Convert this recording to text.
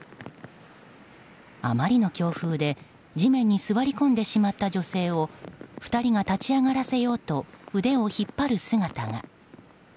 あまりの強風で地面に座り込んでしまった女性を２人が立ち上がらせようと腕を引っ張る姿が。